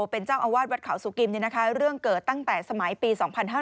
เป็นเจ้าอาวาสวัดเขาสุกิมเรื่องเกิดตั้งแต่สมัยปี๒๕๕๙